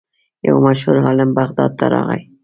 یو مشهور عالم بغداد ته راغی.